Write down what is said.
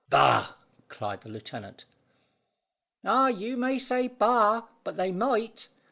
"Bah!" cried the lieutenant. "Ah, you may say `Bah!' but they might.